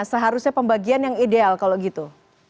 seharusnya pembagian yang ideal kalau gitu